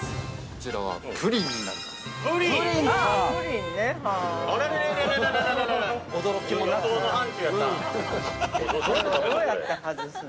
◆こちらはプリンになります。